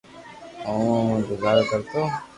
او مون ھي گزارو ڪرتو